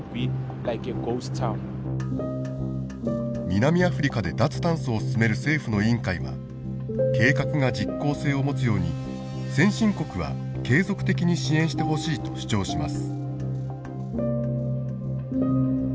南アフリカで脱炭素を進める政府の委員会は計画が実行性を持つように先進国は継続的に支援してほしいと主張します。